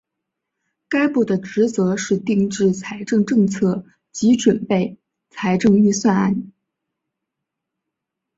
该部的职责是制定财政政策及准备财政预算案。